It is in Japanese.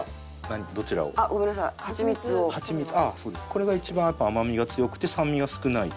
これが一番やっぱ甘みが強くて酸味が少ない。